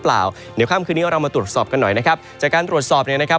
เดี๋ยวค่ำคืนนี้เรามาตรวจสอบกันหน่อยนะครับจากการตรวจสอบเนี่ยนะครับ